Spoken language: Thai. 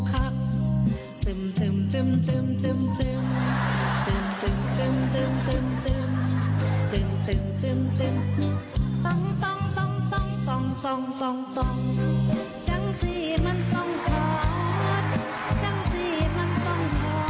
จังสีมันต้องถอน